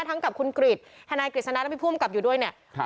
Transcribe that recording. เช่นกับคุณกรีชฮันนายกริสนาธิ์พี่พูดกับอยู่ด้วยเนี่ย